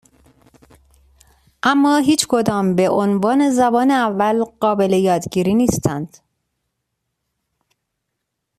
اما هیچ کدام به عنوان زبان اول قابل یادگیری نیستند.